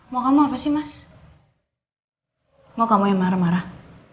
mau kamu apa sih mas mau kamu yang marah marah